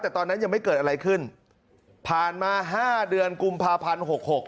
แต่ตอนนั้นยังไม่เกิดอะไรขึ้นผ่านมาห้าเดือนกุมภาพันธ์หกหก